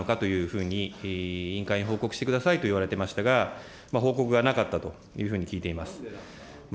いつだったのかというふうに委員会に報告してくださいと言われてたと思いますが、報告がなかったというふうに聞いています。